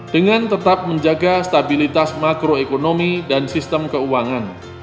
dengan tetap menjaga stabilitas makroekonomi dan sistem keuangan